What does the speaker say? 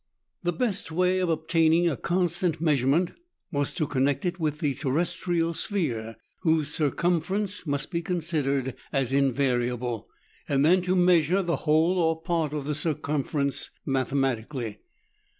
The best way of obtaining a constant measurement was to con nect it with the terrestrial sphere, whose circumference must be considered as invariable, and then to measure the whole or part of that circumference mathematically.